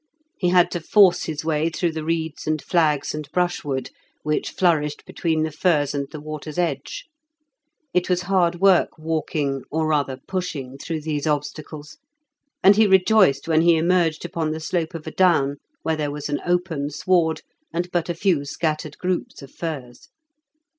He had to force his way through the reeds and flags and brushwood, which flourished between the firs and the water's edge. It was hard work walking, or rather pushing through these obstacles, and he rejoiced when he emerged upon the slope of a down where there was an open sward, and but a few scattered groups of firs.